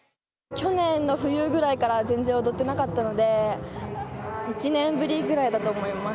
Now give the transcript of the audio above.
去年の冬ぐらいから全然踊ってなかったので１年ぶりぐらいだと思います。